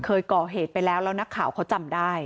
เคยก่อเหตุไปแล้วแล้วนักข่าวเขาจำได้